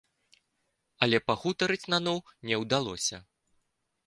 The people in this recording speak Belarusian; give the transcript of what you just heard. Але пагутарыць наноў не ўдалося.